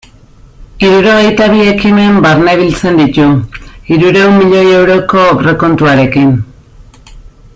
Hirurogeita bi ekimen barnebiltzen ditu, hirurehun milioi euroko aurrekontuarekin.